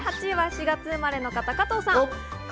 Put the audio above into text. ８位は４月生まれの方、加藤さん。